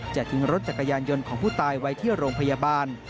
ทิ้งรถจักรยานยนต์ของผู้ตายไว้ที่โรงพยาบาล